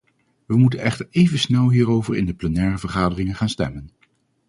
Wij moeten echter even snel hierover in de plenaire vergadering gaan stemmen.